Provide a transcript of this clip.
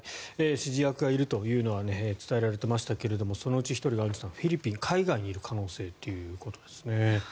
指示役がいるというのは伝えられていましたけどそのうち１人がフィリピン海外にいる可能性ということですね。